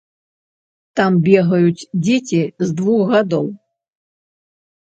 Там бегаюць дзеці з двух гадоў.